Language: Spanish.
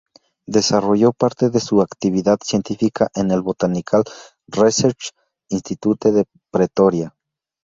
Desarrolló parte de su actividad científica en el "Botanical Research Institute de Pretoria".